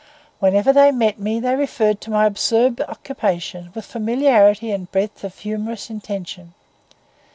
Whenever they met me they referred to my absurd occupation with familiarity and breadth of humorous intention.